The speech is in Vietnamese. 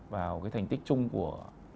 vào cái thành tích chung của